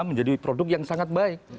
menjadi produk yang sangat baik